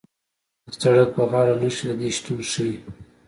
د سړک په غاړه نښې د دې شتون ښیي